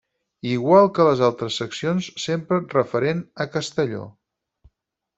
Igual que les altres seccions, sempre referent a Castelló.